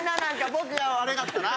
僕が悪かったな。